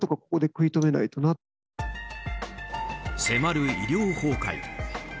迫る医療崩壊。